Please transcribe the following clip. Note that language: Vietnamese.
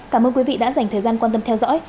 cảm ơn quý vị đã dành thời gian quan tâm theo dõi